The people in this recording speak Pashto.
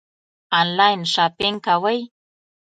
آنلاین شاپنګ کوئ؟